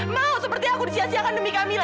mau seperti aku disiasiakan demi kamila